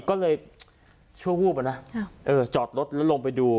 ก็เลยชั่ววูบอะนะจอดรถแล้วลงไปดู